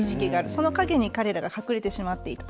その陰に彼らが隠れてしまっていた。